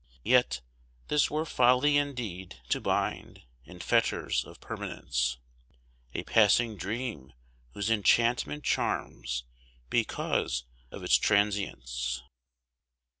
Yet, this were folly indeed; to bind, in fetters of permanence, A passing dream whose enchantment charms because of its trancience.